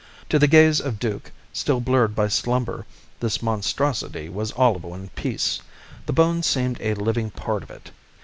To the gaze of Duke, still blurred by slumber, this monstrosity was all of one piece the bone seemed a living part of it.